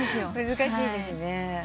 難しいですね。